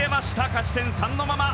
勝ち点３のまま。